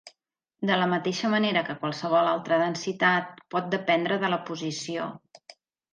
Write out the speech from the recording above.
De la mateixa manera que qualsevol altra densitat pot dependre de la posició.